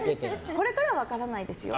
これからは分からないですよ。